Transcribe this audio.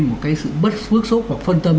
một cái sự bất phước sốc hoặc phân tâm